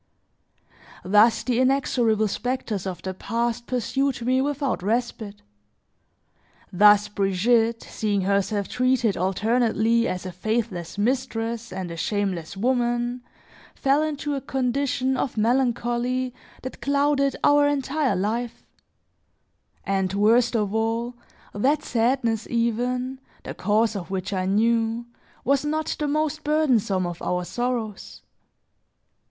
Thus, the inexorable specters of the past pursued me without respite; thus, Brigitte seeing herself treated alternately, as a faithless mistress and a shameless woman, fell into a condition of melancholy that clouded our entire life; and worst of all, that sadness even, the cause of which I knew, was not the most burdensome of our sorrows.